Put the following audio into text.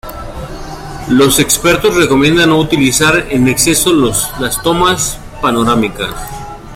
Los expertos recomiendan no utilizar en exceso las tomas panorámicas.